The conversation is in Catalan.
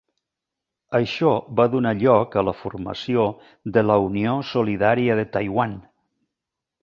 Això va donar lloc a la formació de la Unió Solidària de Taiwan.